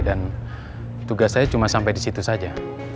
dan tugas saya cuma sampai di situ saja